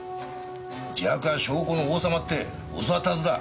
自白は証拠の王様って教わったはずだ。